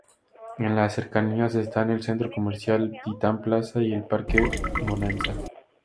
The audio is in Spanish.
En las cercanías están el Centro Comercial Titán Plaza y el Parque Bonanza.